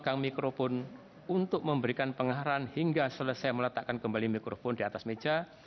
dari ketika terdakwa mulai memegang mikrofon untuk memberikan pengharan hingga selesai meletakkan kembali mikrofon di atas meja